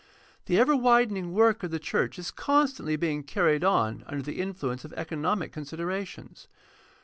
The ever widening work of the church is constantly being carried on under the influence of economic considerations.